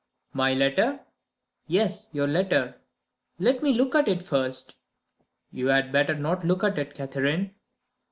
"My letter?" "Yes; your letter." "Let me look at it first." "You had better not look at it, Catherine."